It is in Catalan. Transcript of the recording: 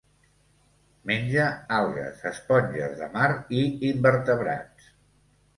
Menja algues, esponges de mar i invertebrats.